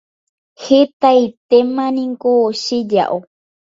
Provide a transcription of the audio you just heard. Hetaitémaniko cheja'o.